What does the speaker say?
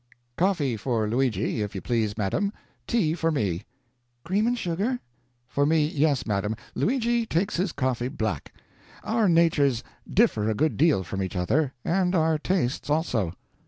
"Coffee for Luigi, if you please, madam, tea for me." "Cream and sugar?" "For me, yes, madam; Luigi takes his coffee, black. Our natures differ a good deal from each other, and our tastes also."